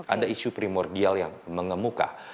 ada isu primordial yang mengemuka